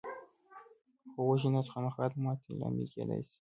خو وږی نس خامخا د ماتې لامل کېدای شي.